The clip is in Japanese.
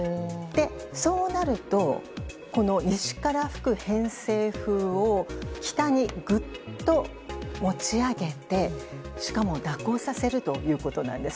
そうなるとこの西から吹く偏西風を北にぐっと持ち上げてしかも、蛇行させるということなんです。